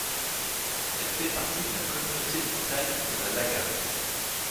Elle fait partie de la communauté de montagne de la Laga.